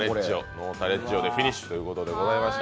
ノータレッジオでフィニッシュということで。